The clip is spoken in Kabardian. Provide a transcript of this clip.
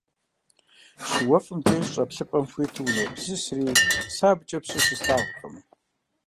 ЩыуэфӀым деж щӀэплъыпӀэм хуиту уноплъысри, сэ абыкӀэ псы щыслъагъуркъым.